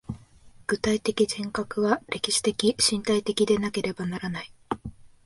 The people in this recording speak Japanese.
具体的人格は歴史的身体的でなければならない。